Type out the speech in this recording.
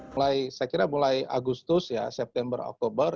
saya kira mulai agustus september oktober